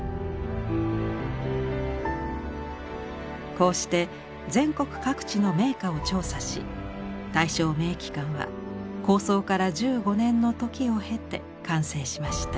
こうして全国各地の名家を調査し「大正名器鑑」は構想から１５年の時を経て完成しました。